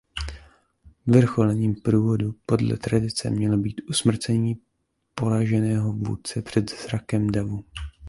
Vyvrcholením průvodu podle tradice mělo být usmrcení poraženého vůdce před zrakem davu.